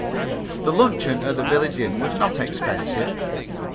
The luncheon at the village inn was not expensive.